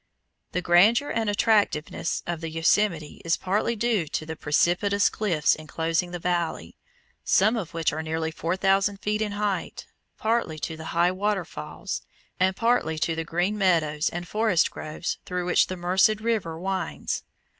The grandeur and attractiveness of the Yosemite is partly due to the precipitous cliffs enclosing the valley, some of which are nearly four thousand feet in height, partly to the high waterfalls, and partly to the green meadows and forest groves through which the Merced River winds.